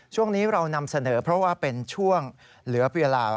ช่วงนี้เรานำเสนอเพราะว่าเป็นช่วงเหลือเวลา